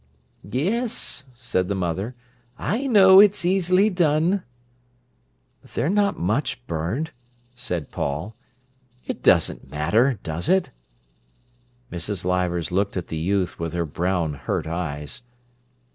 "Yes," said the mother, "I know it's easily done." "They're not much burned," said Paul. "It doesn't matter, does it?" Mrs. Leivers looked at the youth with her brown, hurt eyes.